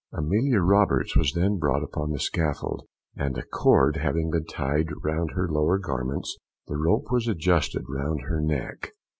Amelia Roberts was then brought upon the scaffold, and a cord having been tied round her lower garments, the rope was adjusted round her neck.